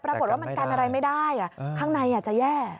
ปรากฏว่ามันกันอะไรไม่ได้ข้างในจะแย่